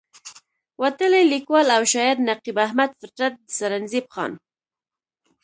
وتلے ليکوال او شاعر نقيب احمد فطرت د سرنزېب خان